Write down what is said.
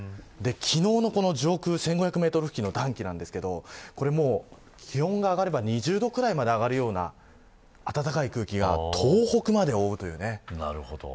昨日の上空１５００メートル付近の暖気ですが気温が上がれば２０度くらいまで上がるような暖かい空気が東北まで覆うというね。